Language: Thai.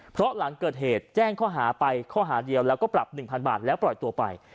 เพราะหลังเกิดเหตุแจ้งข้อหาไปข้อหาเดียวแล้วก็ปรับ๑๐๐บาทแล้วปล่อยตัวไป